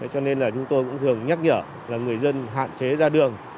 cho nên là chúng tôi cũng thường nhắc nhở là người dân hạn chế ra đường